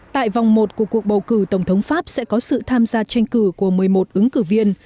tại vòng một của cuộc bầu cử tổng thống pháp sẽ có sự tham gia tranh cử của một mươi một ứng cử viên